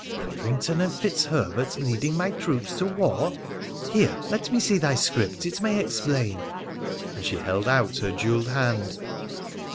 Codrington and Fitzherbert leading my troops to war ! Here, let me see thy script : it may explain.' And she held out her jewelled hand.